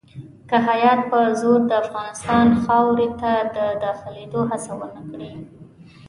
که هیات په زور د افغانستان خاورې ته داخلېدلو هڅه ونه کړي.